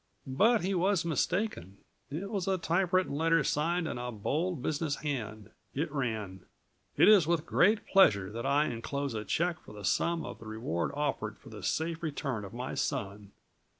But he was mistaken. It was a typewritten letter signed in a bold business hand. It ran: "It is with great pleasure that I inclose a check for the sum of the reward offered for the safe return of my son.